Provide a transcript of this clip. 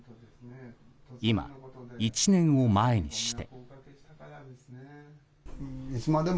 今、１年を前にして。